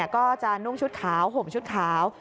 ก็จะนุ่งชุดขาวห่มชุดขาว